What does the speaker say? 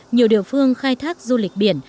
nhiều địa phương khai thác du lịch biển